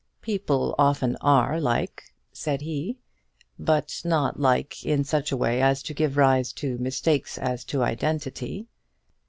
"People often are like," said he; "but not like in such a way as to give rise to mistakes as to identity.